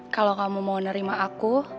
kalau kamu mau nerima aku